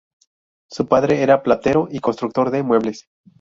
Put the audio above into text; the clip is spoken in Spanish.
Su padre era platero y constructor de muebles.